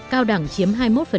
cao đẳng chiếm hai mươi một